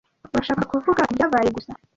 Urashaka kuvuga kubyabaye gusa?